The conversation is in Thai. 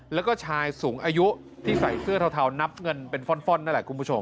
แล้วก็ชายสูงอายุที่ใส่เสื้อเทานับเงินเป็นฟ่อนนั่นแหละคุณผู้ชม